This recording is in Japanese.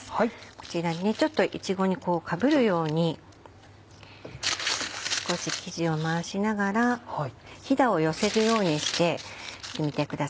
こちらちょっといちごにかぶるように少し生地を回しながらヒダを寄せるようにしてみてください。